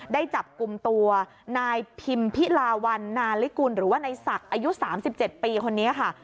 ได้จับกลุ่มตัวนายพิมพิลาวันนาลิกุลหรือว่านายศักดิ์อายุ๓๗ปีคนนี้ค่ะ